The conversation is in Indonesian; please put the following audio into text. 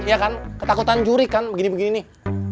ya kan ketakutan juri kan begini begini nih